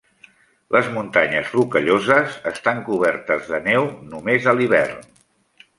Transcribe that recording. Les muntanyes Rocalloses estan cobertes de neu només a l'hivern.